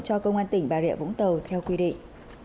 cho công an tỉnh bà rịa vũng tàu theo quy định